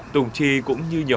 tùng trì cũng như nhiều học sinh